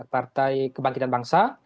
partai kebangkitan bangsa